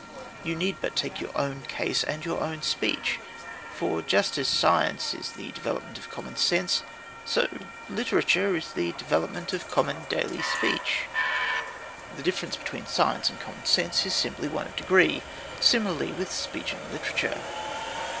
You need but take your own case and your own speech. For just as science is the development of common sense, so is literature the development of common daily speech. The difference between science and common sense is simply one of degree; similarly with speech and literature.